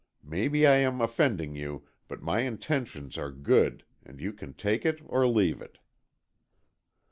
Maybe I am offending you, but my intentions are good, and you can take it or leave it."